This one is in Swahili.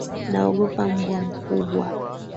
Naogopa mbwa mkubwa.